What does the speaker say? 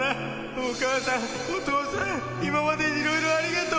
お母さん、お父さん、今までいろいろありがとう。